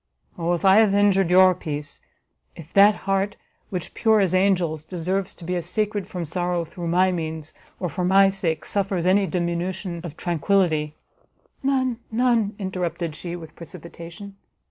Oh if I have injured your peace, if that heart, which, pure as angels, deserves to be as sacred from sorrow, through my means, or for my sake, suffers any diminution of tranquility " "None, none!" interrupted she, with precipitation.